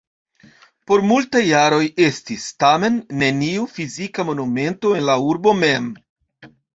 Por multaj jaroj estis, tamen, neniu fizika monumento en la urbo mem.